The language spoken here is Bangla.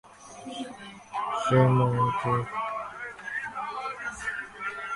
সে একটা মূর্তিমান রসভঙ্গ।